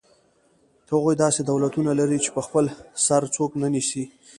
هغوی داسې دولتونه لري چې په خپل سر څوک نه نیسي.